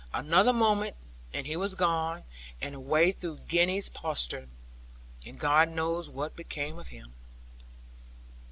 Another moment, and he was gone, and away through Gwenny's postern; and God knows what became of him.